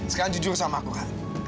sekarang jujur sama aku kan